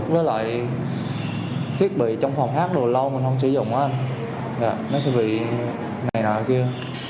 với lại thiết bị trong phòng hát đùa lâu mình không sử dụng nó sẽ bị này nào kia